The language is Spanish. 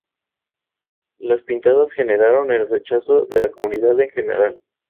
Las pintadas generaron el rechazo de la comunidad en general.